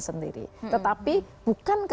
sendiri tetapi bukan